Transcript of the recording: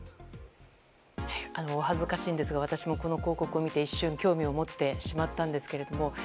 お恥ずかしいんですが私もこの広告を見て一瞬、興味を持ってしまったんですけれども。